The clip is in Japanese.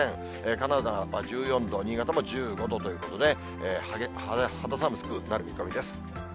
金沢１４度、新潟も１５度ということで、肌寒くなる見込みです。